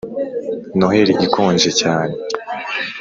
noheri ikonje cyane